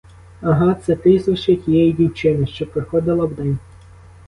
Ага, це прізвище тієї дівчини, що приходила вдень.